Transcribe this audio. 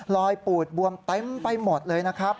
ปูดบวมเต็มไปหมดเลยนะครับ